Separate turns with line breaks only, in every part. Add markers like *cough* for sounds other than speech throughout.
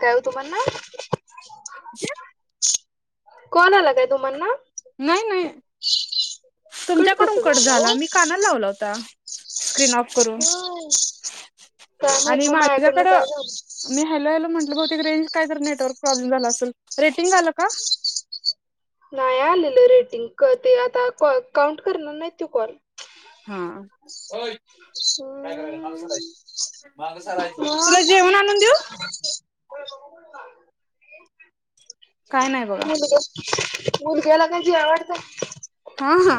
काय हो तुम्हाला नाय? *unintelligible*
*unintelligible*
कॉल आला काय तुम्हांना?
नाही, नाही. तुमच्याकडून कट झाला, मी कानाला लावला होता. स्क्रीन ऑफ करून.
काय माहित
आणि
मग माझ्याकडनं
माझ्याकडं
काय झालं
मी हॅलो-हॅलो म्हटलं बहुतेक. ते रेंज काय तर, नेटवर्क प्रॉब्लेम झाला असेल. रेटिंग आलं का?
नाही आलेलं रेटिंग. क, ते आता कॉ काउंट करणार नाही ते कॉल? *inaudible* सर.
काय करायचं? मागं सरायचं? मागं सरायचं.
मग
तुला जेवण आणून देऊ? काय नाही बघा
*unintelligible* मुलग्याला काय जेवाय वाडताय?
हा-हा.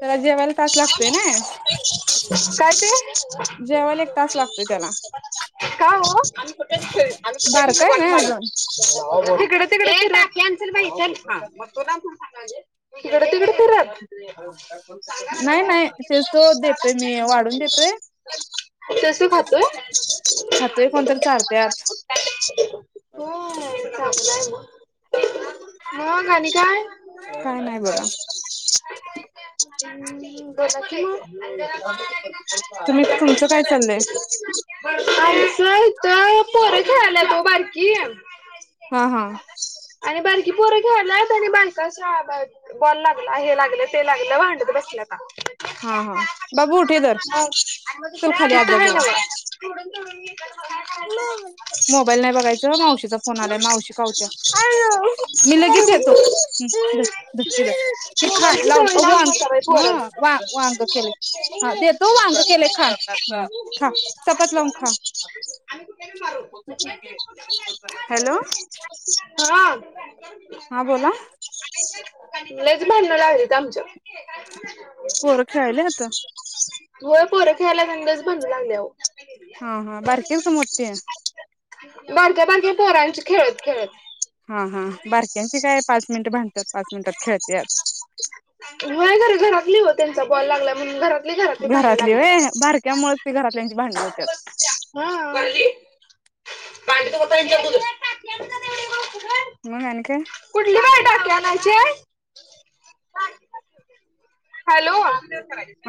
त्याला जेवायला तास लागतोय ना.
काय ते?
जेवायला एक तास लागतोय त्याला
का हो? आम्ही कुठं बी खेळीन, आम्ही कुठं बी
बारकाय
वाघ
नाही अजून
मारीन. इकडं तिकडं फिरत. टाकी आण, बाई, छल मग तुला कुठं सांगायले? इकडं तिकडं फिरतं?
नाही नाही तेच तो देतोय मी वाढून देतोय
*inaudible* तसं खातोय?
खातोय कोण तर, चारतंय आत.
त्यापेक्षा होय, चांगलं आहे मग. मग आणि काय?
काय नाही, बघा.
हम्म, बोला की मग.
तुम्ही
*unintelligible*
तुमचं काय चाललंय
काय असं? इथं पोरं खेळायल्यात ओ, बारकी.
हा-हा.
आणि बारकी पोरं खेळायल्यात आणि बायका *inaudible* बॉल लागला, हे लागलं, ते लागलं भांडत बसल्याता.
हा हा बाबू उठ इधर
मग
चल खाली आज्जा
किती वेळ
जवळ
बोला? तोडून-तोडून हे काय खायचं?
मोबाईल नाही बघायच, मावशीचा फोन आलाय, मावशी. चालतया, मी लगेच येतो. दूध पी, जा ती खा लावून अग, वांग.
बाईक
हा
ओरल.
वा, वांग केलेेय. हा देतोय. वांग केले, खा-खा, चपाती लावून खा. हॅलो.
हा.
हा बोला
लयचं भांडणच लागलीत आमच्यात.
पोरं खेळायला आत.
होय, पोरं खेळायत म्हणूनच लय भांडण लागलीत, अहो.
हा-हा, बारकी आहेत का मोठी?
बारक्या-बारक्या पोरांची खेळत-खेळत
हा-हा बारक्यांची काय पाच मिनटं भांडतात पाच मिनिटात खेळत्यात
होय खर घरातली ओ त्यांच्या बॉल लागला म्हणून घरात
घरातली होय बारक्या मुळ ती घरातल्यांची भांडण होत्यात
हा भरली *unintelligible* वता ह्यांच्या दुध टाकल्या म्हणून एवढी बोलतुस व्हय
मग आणि काय
कुठली बाई टाकी आणयची हाय हॅलो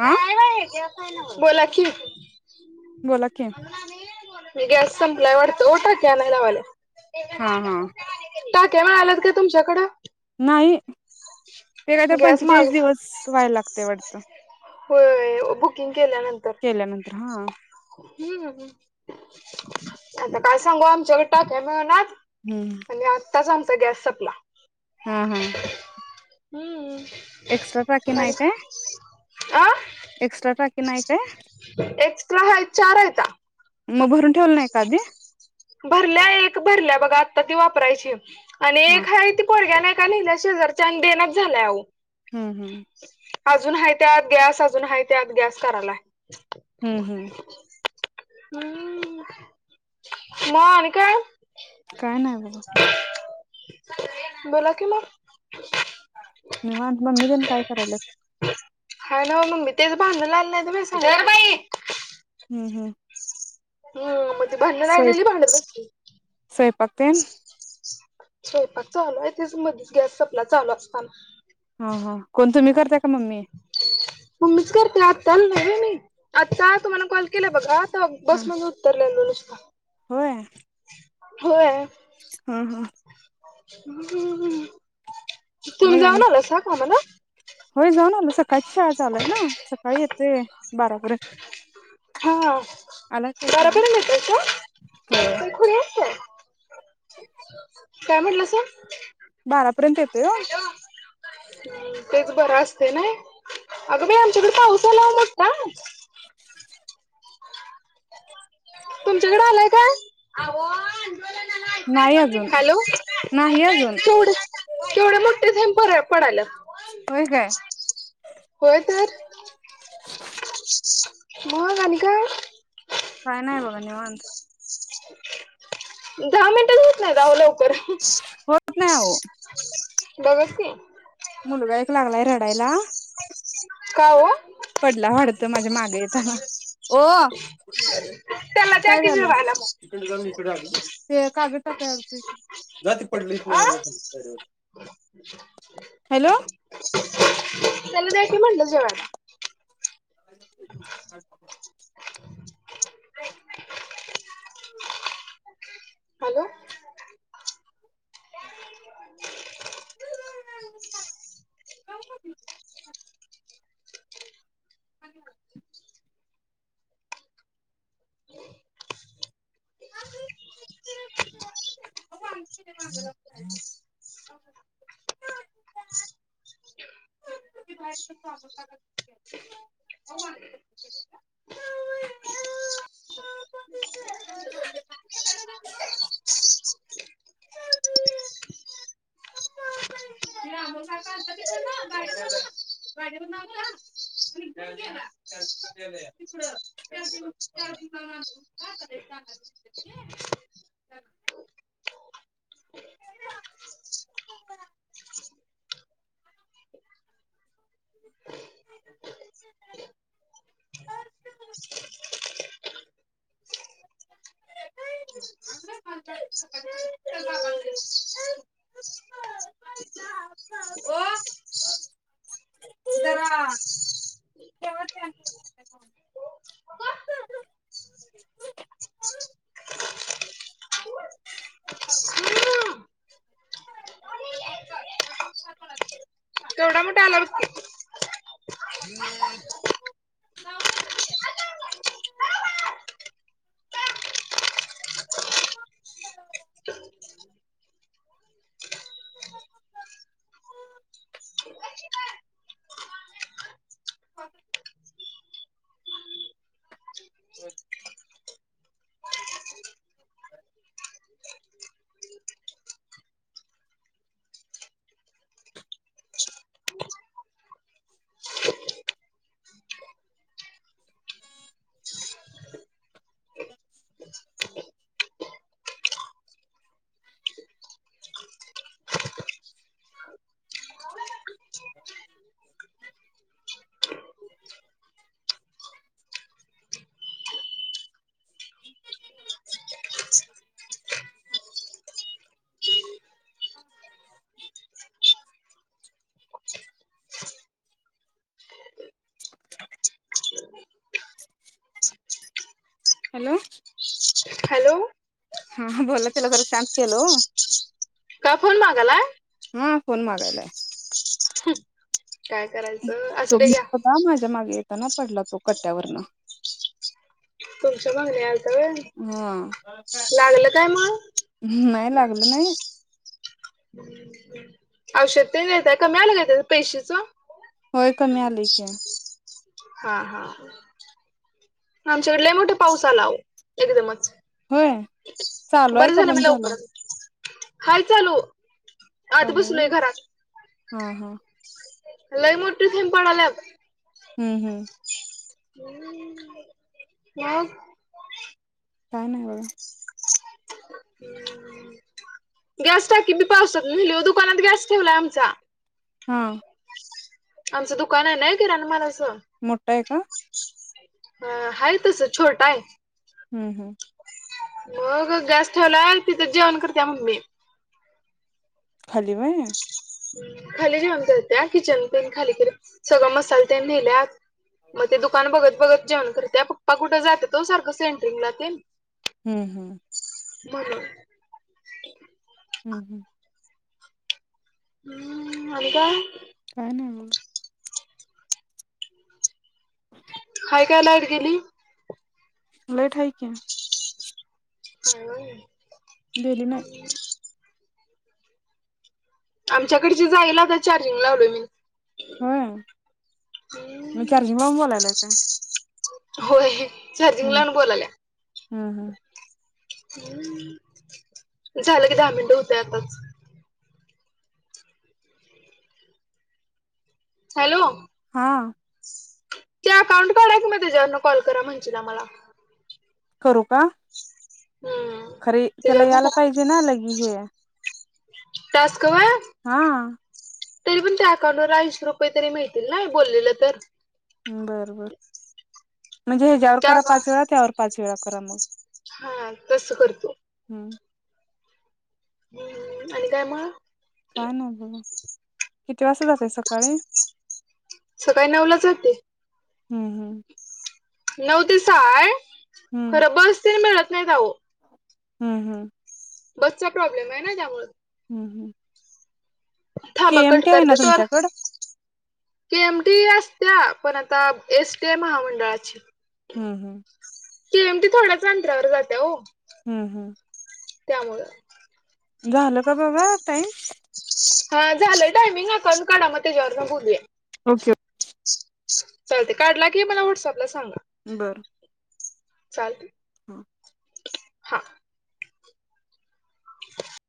हा
बाई देत नाही नव्ह बोला की
बोला की
गॅस संपलाय वाडत ओ टाकी आणाय लावाल्या
हा हा
टाक्या मिळाल्यात काय तुमच्याकडं
नाही ते काय ते
गॅस माग
पंचेचाळीस दिवस व्हायला लागतय वाडत
होय बुकिंग केल्यानंतर
केल्या नंतर हां
हम-हम आता काय सांगू आमच्याकड टाक्या मिळनात
हम्म
आणि आता आत्ताच आमचा गॅस संपला
हा-हा
हम्म
एक्स्ट्रा टाकी नाही काय
आं
एक्स्ट्रा टाकी नाही काय
एक्स्ट्रा हाय चार हैता
मग भरून ठेवल नाही का आधी
भरल्या एक भरल्या बघा आता ती वापरायची आणि
हा
एक आहे ती पोरग्यान एका न्हेलाय शेजारच्यान आणि देनाच झालाय आहो
हम-हम
अजून हाय त्यात गॅस अजून हाय त्यात गॅस करालाय
हम्म-हम
हम म आणि काय
काय नाही बग
बोला कि मग
निवांत मम्मीतेन काय कराल्यात
हाय नव्ह मम्मी तेच भांडणं लागली नाहीत व्हय धर बाई
हम-हम
मग ती भांडणं लागलेली भांडत बसल्या
स्वयपाक तेन
स्वयपाक चालू आहे तेच मधीच गॅस सपला चालू असताना
हा-हा कोण तुम्ही करताय का मम्मी
मम्मीच करत्या आत्ता आलो नाही होय मी आता तुम्हाला कॉल केला बघा तवा
हा
बस मधन उतरलेलो नुसता
होय
होय
ह-हा
हम्म-हम्म तुम्ही
मग आणि
जाऊन आलासा कामाला
होय जाऊन आलो, सकाळची शाळा चालूय ना सकाळी येतोय, बारापर्यंत.
हा,
आला काय खाली
बारापर्यंत येतायत का?,
होय
काय खुळी आहेस काय? काय म्हणलासा?
बारापर्यंत येतोय ओ.
का? तेच बर असतय नाय, अगं बाई आमच्याकडे पाऊस आला ओ मोठ्ठा. तुमच्याकड आलाय का?, आ वो आमच्या
नाही अजून
हॅलो,
नाही अजून
केवढं केवढ मोठे थेंब पड पडायल्यात.
व्हय काय?
होय तर, मग आणि काय?
काय नाय बघा, निवांत.
दहा मिनटंच होत नाहीत आवो लवकर.
होत नाही हो
बघा की.
मुलगा एक लागलाय रडायला
का ओ?
पडला वाटतं माझ्या मागं येताना, ओ अ कुठं निघलीस?
त्याला द्या
काय
की
झालं?
जेवायला मग
तिकडनं जाऊन इकडे आलीस होय. ते कागद टाकायला आलतो इकडं. जा ती पडलय इतनं
आ
वरनं खाली पायऱ्या वरन. हॅलो.
त्याला द्या की, म्हणलं जेवायला.
*unintelligible*
हॅलो.
काय खाती? खा की भराभर.
*inaudible*
पाणी पिलंय, मागं लागून. साध कागद ओ जरा ठेवा ते.
तो मोठ्ठा आल्यावरच की
*unintelligible* हॅलो.
हॅलो.
हा बोला, तिला जरा शांत केलो ओ.
का फोन मागालाय?
हा, फोन मागायलाय.
हं काय करायच?
तो *inaudible* होता माझ्या माग येताना पडला तो कट्ट्यावरन.
तुमच्या मागन यालता व्हय,
हा
लागलं काय मग?
नाही, लागलं नाही.
हम्म *inaudible* औषध तेन देताय, कमी आल का त्याच पेशीच?
होय, कमी आलंय की.
हा हा आमच्याकडे लई मोठा पाऊस आला, आहो एकदमच.
होय. चालू आहे
बरं
का
झालं मी
बंद झाला?
लवकरच हाय चालू. आत
चालू आहे
बसलोय
होय
घरात.
हा. हा.
खरं लय मोठे थेंब पडायल्यात.
हम हम
हम काय
काय नाही बघा.
हम गॅस टाकी बी पावसात न्हेली दुकानात गॅस ठेवलाय आमचा.
हा.
आमचं दुकान हाय नाय किराणा मालाचं.
मोठं आहे का?
ह हाय तसं छोटं आहे.
हम हम
मग गॅस ठेवलाय तिथंच जेवण करत्या मम्मी.
खाली व्हय
हम खाली जेवण करत्या. किचन तेन खाली केलय सगळं मसालं तेन नेल्यात. म ते दुकान बघत बघत जेवण करत्या पप्पा कुठं जात्यात ओ सारखं सेंटरिंगला तेन.
हम. हम
म्हणून
हम हम
हम आणि काय?
काय नाय मग.
हाय काय लाईट गेली?
लाईट आहे की.
हाय व्हय
गेली नाही.
*unintelligible* आमच्याकडची जाईल. आता चार्जिंग लावलोय मी.
होय. म
हम्म
चर्जिंग लावून बोलायलाय काय
होय. चर्जिंग लावून बोलाल्या.
हम. हम.
झालं की दहा मिनटं होतंय आता हॅलो.
हां
ते अकाउंट काढा कि म त्याच्यावरनं कॉल करा म्हणशीला मला.
करू का?
हम
खरी त्याला यायला पाहिजे ना लगी हे.
टास्क व्हय
हा.
तरी पण त्या अकाउंटवर ऐंशी रुपये तरी मिळतील ना हे बोललेलं तर.
बर बर म्हणजे हच्यावर
त्या
करा पाच वेळा त्यावर पाच वेळा करा मग.
हा तस करतो.
हं.
आणि काय मग?
काय ना बघा किती वाजता जाता सकाळी?
सकाळी नऊलाच जाते.
हं, हं.
नऊ ते सहा आहे.
हम्म
खरं तर बस मिळत नाहीत अहो.
हं, हं.
बसचा प्रॉब्लेम आहे ना त्यामुळे.
हं, हं.
थांबा, कट
ना
करते तोर.
तुमच्याकडं
के एमटी असतीया पण आता एसटी आहे महामंडळाची.
हं, हं.
केएमटी थोड्याच अंतरावर जातीया ओ.
हं, हं.
त्यामुळं
झालं का बघा टाईम.
हा झालंय टायमिंग. अकाउंट काढा मग त्याच्यावरन बोलूया.
ओके.
चालतंय, काढला की मला व्हॉट्सॲपला सांगा.
बर.
चालतंय.
हा.
हा. *inaudible*